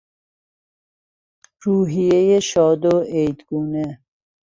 روحیهی شاد و عید گونه